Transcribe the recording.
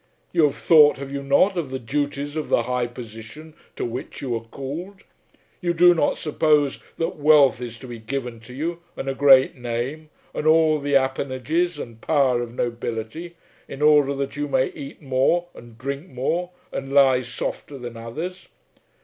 You have thought, have you not, of the duties of the high position to which you are called? You do not suppose that wealth is to be given to you, and a great name, and all the appanages and power of nobility, in order that you may eat more, and drink more, and lie softer than others.